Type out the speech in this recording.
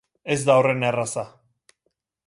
Ez da horren erraza.